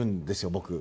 僕。